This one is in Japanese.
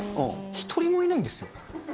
一人もいないんですよ。